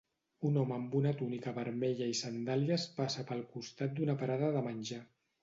Un home amb una túnica vermella i sandàlies passa pel costat d'una parada de menjar.